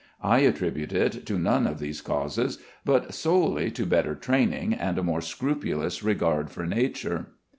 I attribute it to none of these causes, but solely to better training and a more scrupulous regard for nature.